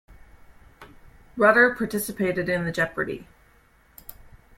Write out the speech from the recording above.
Rutter participated in the Jeopardy!